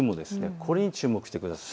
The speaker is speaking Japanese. これに注目してください。